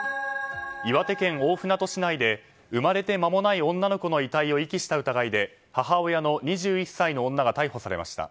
岩手県大船渡市内で生まれて間もない女の子の遺体を遺棄した疑いで母親の２１歳の女が逮捕されました。